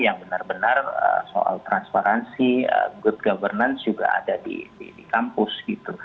yang benar benar soal transparansi good governance juga ada di kampus gitu